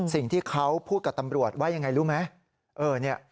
สิ่งที่เขาพูดกับตำรวจว่ายังไงรู้ไหม